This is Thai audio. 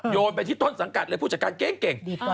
โยนไปที่ต้นสังกัดเลยผู้จัดการเก่ง